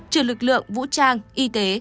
trừ lực lượng vũ trang y tế